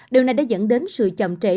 điều này đã dẫn đến sự chậm trễ